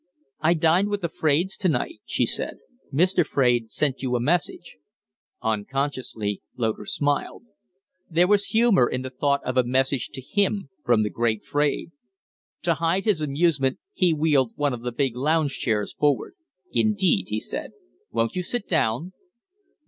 "I dined with the Fraides to night," she said. "Mr. Fraide sent you a message." Unconsciously Loder smiled. There was humor in the thought of a message to him from the great Fraide. To hide his amusement he wheeled one of the big lounge chairs forward. "Indeed," he said. "Won't you sit down?"